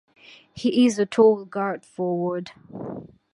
He is a tall guard-forward.